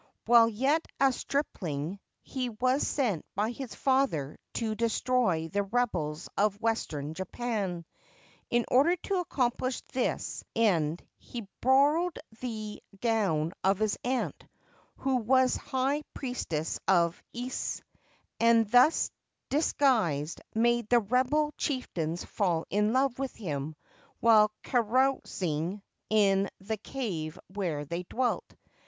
While yet a stripling he was sent by his father to destroy the rebels of Western Japan. In order to accomplish this end he borrowed the gown of his aunt, who was high priestess of Ise, and, thus disguised, made the rebel chieftains fall in love with him while carousing in the cave where they dwelt.